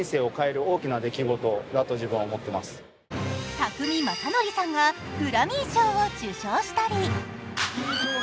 宅見将典さんがグラミー賞を受賞したり。